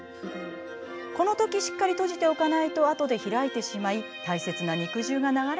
このときしっかり閉じておかないとあとで開いてしまい大切な肉汁が流れてしまいがちです。